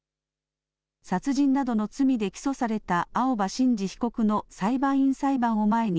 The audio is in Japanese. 殺人などの罪で起訴された青葉真司被告の裁判員裁判を前に、